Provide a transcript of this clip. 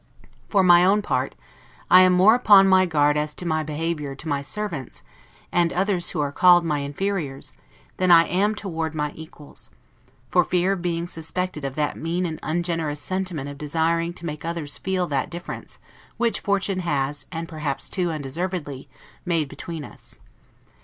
For my own part, I am more upon my guard as to my behavior to my servants, and others who are called my inferiors, than I am toward my equals: for fear of being suspected of that mean and ungenerous sentiment of desiring to make others feel that difference which fortune has, and perhaps too, undeservedly, made between us.